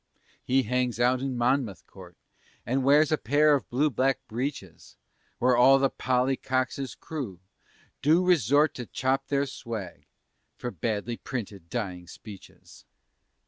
He hangs out in Monmouth Court, And wears a pair of blue black breeches, Where all the "Polly Cox's crew" do resort To chop their swag for badly printed Dying Speeches.